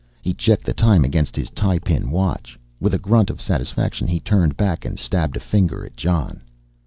He checked the time against his tie pin watch, with a grunt of satisfaction he turned back and stabbed a finger at Jon.